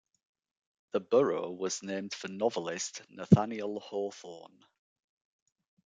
The borough was named for novelist Nathaniel Hawthorne.